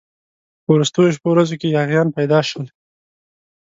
په وروستو شپو ورځو کې یاغیان پیدا شول.